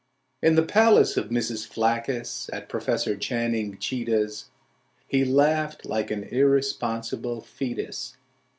In the palace of Mrs. Phlaccus, at Professor Channing Cheetah's He laughed like an irresponsible foetus.